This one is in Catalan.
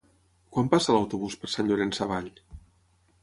Quan passa l'autobús per Sant Llorenç Savall?